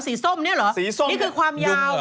สีส้มเนี่ยเหรอนี่คือความยาว